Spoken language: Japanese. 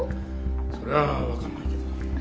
それはわかんないけど。